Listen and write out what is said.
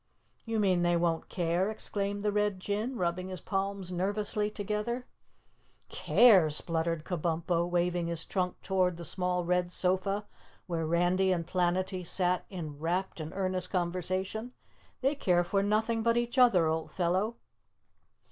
"You mean they won't care?" exclaimed the Red Jinn, rubbing his palms nervously together. "Care!" spluttered Kabumpo, waving his trunk toward the small red sofa where Randy and Planetty sat in rapt and earnest conversation. "They care for nothing but each other, old fellow.